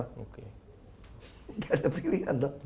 nggak ada pilihan dong